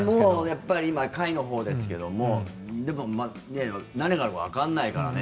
今、下位のほうですけども何があるかわからないからね。